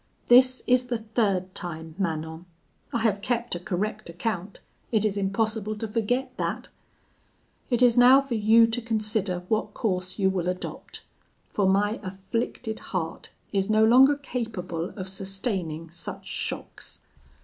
This is the third time, Manon; I have kept a correct account; it is impossible to forget that. It is now for you to consider what course you will adopt; for my afflicted heart is no longer capable of sustaining such shocks.